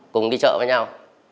cùng đi chợ với nhau